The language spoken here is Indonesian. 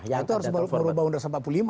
itu harus merubah undang empat puluh lima